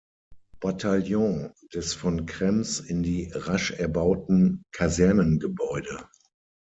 Bataillon des von Krems in die rasch erbauten Kasernengebäude.